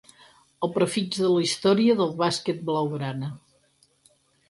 El prefix de la història del bàsquet blaugrana.